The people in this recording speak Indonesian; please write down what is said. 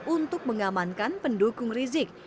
untuk mengamankan pendukung rizik